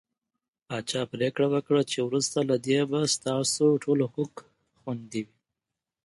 پاچا پرېکړه وکړه چې وروسته له دې به ستاسو ټول حقوق خوندي وي .